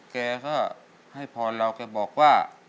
แกก็ให้พรเราแกบอกว่า